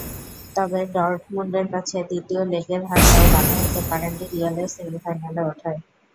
তবে ডর্টমুন্ডের কাছে দ্বিতীয় লেগের হারটাও বাধা হতে পারেনি রিয়ালের সেমিফাইনালে ওঠায়।